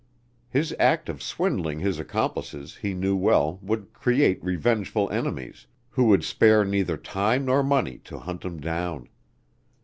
His act of swindling his accomplices, he knew well, would create revengeful enemies, who would spare neither time nor money to hunt him down.